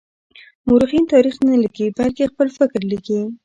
مورخين تاريخ نه ليکي بلکې خپل فکر ليکي.